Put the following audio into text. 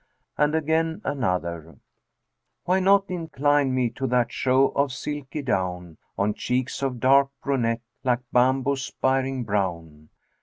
And again another, 'Why not incline me to that show of silky down, * On cheeks of dark brunette, like bamboo spiring brown?